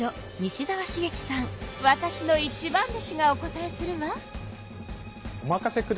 わたしの一番弟子がお答えするわ。